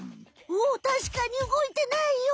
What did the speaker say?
おたしかに動いてないよ！